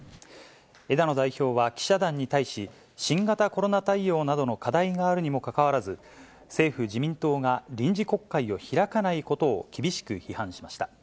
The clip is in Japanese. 枝野代表は記者団に対し、新型コロナ対応などの課題があるにもかかわらず、政府・自民党が臨時国会を開かないことを厳しく批判しました。